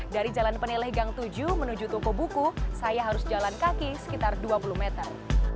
dari jalan peneleh gang tujuh menuju toko buku saya harus jalan kaki sekitar dua puluh meter